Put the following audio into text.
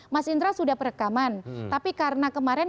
mas indra sudah perekaman tapi karena kemarin